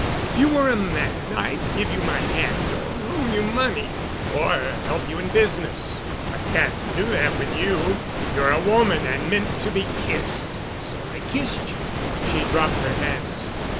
If you were a man I'd give you my hand, or loan you money, or help you in business. I can't do that with you. You're a woman and meant to be kissed. So I kissed you." She dropped her hands.